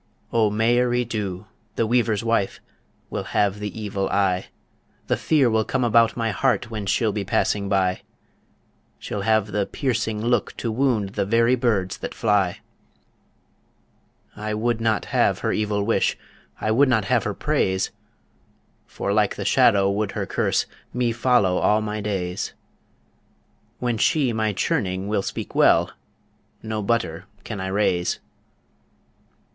O Mairi Dhu, the weaver's wife, Will have the evil eye; The fear will come about my heart When she'll be passing by; She'll have the piercing look to wound The very birds that fly. I would not have her evil wish, I would not have her praise, For like the shadow would her curse, Me follow all my days When she my churning will speak well, No butter can I raise.